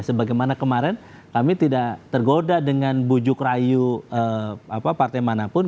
sebagaimana kemarin kami tidak tergoda dengan bujuk rayu partai manapun